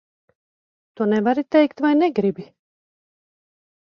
Tu nevari teikt vai negribi?